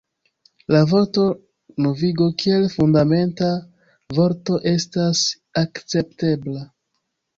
La vorto novigo kiel fundamenta vorto estas akceptebla.